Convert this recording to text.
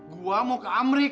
gue mau ke amrik